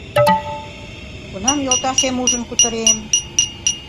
Кунам йолташем ужын кутырем